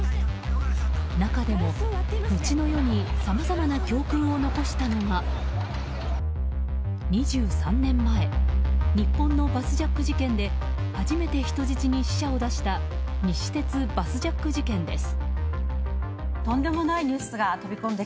中でも、のちの世にさまざまな教訓を残したのが２３年前日本のバスジャック事件で初めて人質に死者を出した西鉄バスジャック事件です。